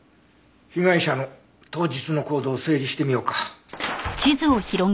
被害者の当日の行動を整理してみようか。